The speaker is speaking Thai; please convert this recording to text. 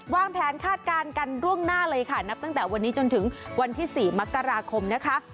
วางแผนคาดการณ์กันล่วงหน้าเลยค่ะนับตั้งแต่วันนี้จนถึงวันที่๔มกราคมนะคะ